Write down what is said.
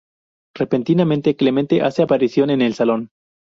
Repentinamente, Clemente hace aparición en el salón.